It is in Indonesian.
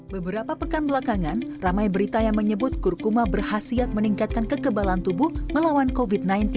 beberapa pekan belakangan ramai berita yang menyebut kurkuma berhasil meningkatkan kekebalan tubuh melawan covid sembilan belas